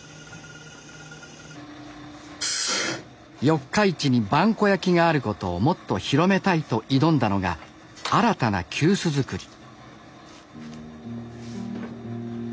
四日市に萬古焼があることをもっと広めたいと挑んだのが新たな急須作り。